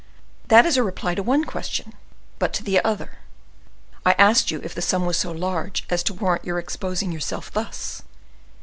"That is a reply to one question; but to the other. I asked you if the sum was so large as to warrant your exposing yourself thus."